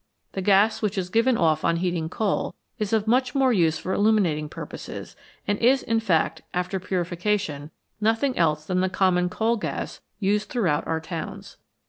The gas which is given off on heating coal is of much more use for illuminating pur poses, and is, in fact, after purification, nothing else than the common coal gas used throughout our towns.